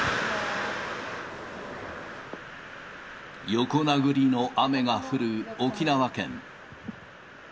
横殴りの雨が降る沖縄県。